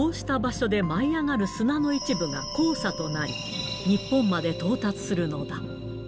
こうした場所で舞い上がる砂の一部が黄砂となり、日本まで到達するのだ。